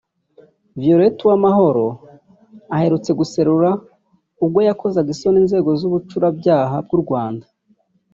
Violette Uwamahoro aherutse guserura ubwo yakozaga isoni inzego z’ubucurabyaha bw’u Rwanda